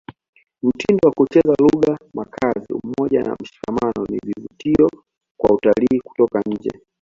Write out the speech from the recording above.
mitindo ya kucheza lugha makazi umoja na mshikamano ni vivutio kwa watalii kutoka nje